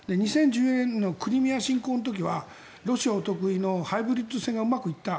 ２０１４年のクリミア侵攻の時はロシアお得意のハイブリッド戦がうまくいった。